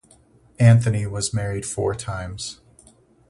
Anthony was married four times.